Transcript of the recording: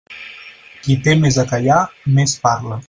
Qui té més a callar més parla.